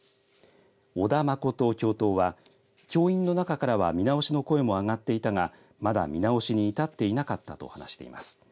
小田信教頭は教員の中からは見直しの声が上がっていたがまだ見直しに至っていなかったと話しています。